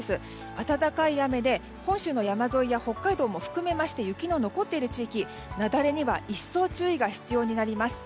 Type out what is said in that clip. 暖かい雨で、本州の山沿いや北海道も含めまして雪の残っている地域雪崩には一層注意が必要になります。